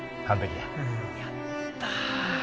やった！